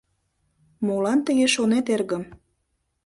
— Молан тыге шонет, эргым?